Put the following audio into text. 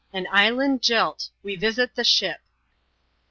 An Island Jilt. — We visit the Ship.